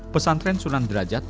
pesantren sunan derajat